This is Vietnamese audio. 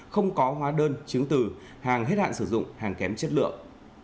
không có hóa đơn chứng từ hàng hết hạn sử dụng hàng kém chất lượng